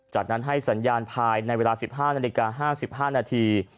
จากนั้นให้สัญญาณภายในเวลา๑๕นาฬิกา๕๕นาที